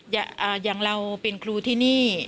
อย่างเราเป็นครูที่นี่